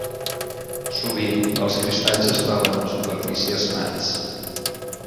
Sovint, els cristalls es troben amb superfícies mats.